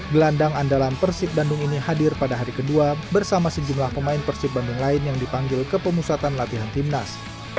gelandang andalan persib bandung ini hadir pada hari kedua bersama sejumlah pemain persib bandung lain yang dipanggil ke pemusatan latihan timnas